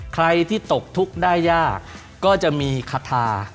ใครที่ตกทุกข์ได้ยากก็จะมีคาทา